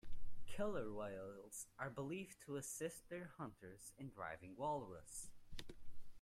Killer whales are believed to assist their hunters in driving walrus.